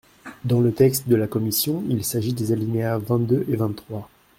Dans le texte de la commission, il s’agit des alinéas vingt-deux et vingt-trois.